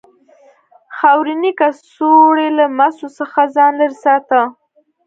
خاورینې کڅوړې له مسو څخه ځان لرې ساته.